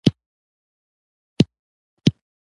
لمر وړیا انرژي ده.